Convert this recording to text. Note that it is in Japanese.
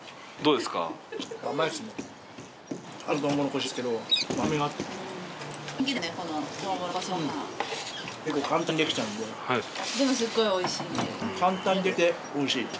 でもすっごいおいしいんで。